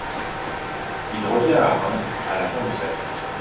Il revient à Reims à la fin de sa vie.